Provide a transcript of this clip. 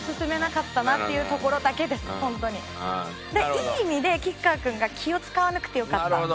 いい意味で吉川君が気を使わなくてよかった。